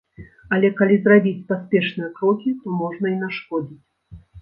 Але калі зрабіць паспешныя крокі, то можна і нашкодзіць.